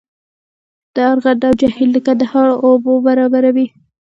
د ارغنداب جهیل د کندهار اوبه برابروي